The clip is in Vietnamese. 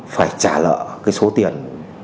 phải trả lợi số tiền